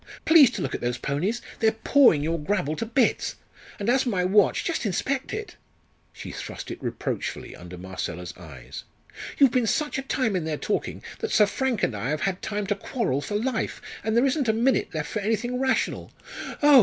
Please to look at those ponies! they're pawing your gravel to bits. And as for my watch, just inspect it!" She thrust it reproachfully under Marcella's eyes. "You've been such a time in there talking, that Sir Frank and I have had time to quarrel for life, and there isn't a minute left for anything rational. Oh!